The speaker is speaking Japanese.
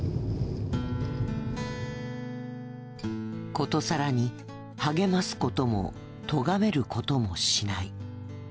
ことさらに励ますこともとがめることもしない。